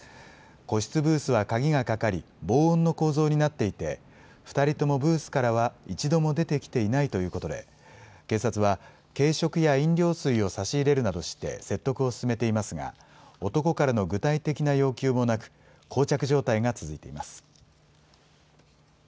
個室ブースは鍵がかかり、防音の構造になっていて、２人ともブースからは一度も出てきてないということで、警察は、軽食や飲料水を差し入れるなどして説得を進めていますが、男からの具体的な要求もなく、こう着状態が続いています。